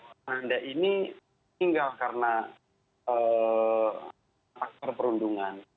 ananda ini tinggal karena faktor perundungan